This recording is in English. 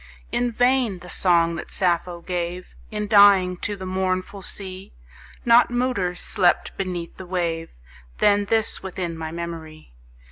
In vain: the song that Sappho gave, In dying, to the mournful sea, Not muter slept beneath the wave Than this within my memory.